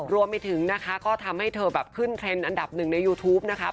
รวมไปถึงนะคะก็ทำให้เธอแบบขึ้นเทรนด์อันดับหนึ่งในยูทูปนะคะ